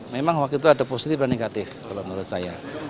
memang waktu itu ada positif dan negatif kalau menurut saya